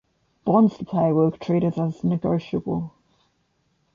Bonds to pay were treated as negotiable.